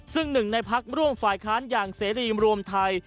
ซึ่งหนึ่งในพักร่วมฝ่ายค้านอย่างเสรีรวมไทย